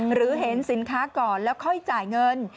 หรือเห็นสินค้าก่อนแล้วค่อยจ่ายเงิน